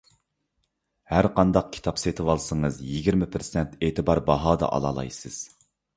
ھەرقانداق كىتاب سېتىۋالسىڭىز، يىگىرمە پىرسەنت ئېتىبار باھادا ئالالايسىز.